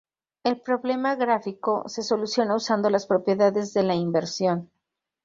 El problema gráfico se soluciona usando las propiedades de la Inversión.